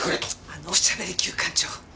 あのおしゃべり九官鳥。